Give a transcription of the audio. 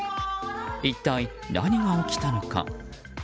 一体、何が起きたのか。